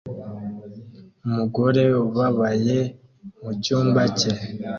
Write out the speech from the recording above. Umugore ubabaye mucyumba cye